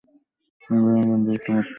এই বিমানবন্দরে একটি মাত্র রানওয়ে আছে।